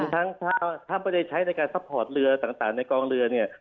ถว่ามันไม่ใช่ซัพพอร์ตเรือต่างในกองเรือเนี่ย